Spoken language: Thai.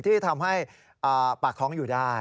ที่ทำให้ปากท้องอยู่ได้